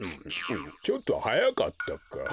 ちょっとはやかったか。